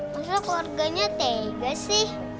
masa keluarganya tega sih